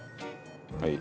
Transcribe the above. はい。